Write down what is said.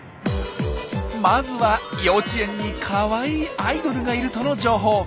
まずは幼稚園にかわいいアイドルがいるとの情報！